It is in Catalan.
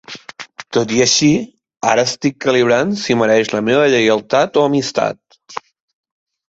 Tot i així, ara estic calibrant si mereix la meva lleialtat o amistat.